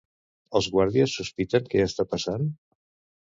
Els guàrdies sospiten què està passant?